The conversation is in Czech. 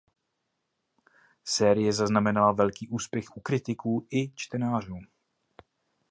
Série zaznamenala velký úspěch u kritiků i čtenářů.